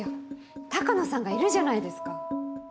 鷹野さんがいるじゃないですか。